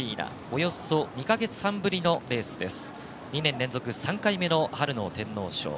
およそ２か月半ぶりのレースです。